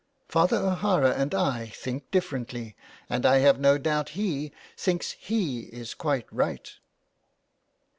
Father O'Hara and I think differently, and I have no doubt he thinks he is quite right."